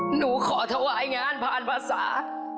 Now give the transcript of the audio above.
หนูขอถวายงานผ่านภาษา